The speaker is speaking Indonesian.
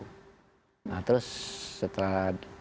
nah terus setelah